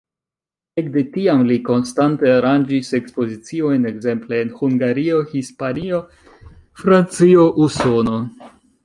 Ekde tiam li konstante aranĝis ekspoziciojn ekzemple en Hungario, Hispanio, Francio, Usono.